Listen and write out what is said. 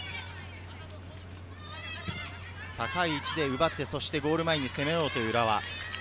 高い位置で奪ってゴール前に攻めようという浦和。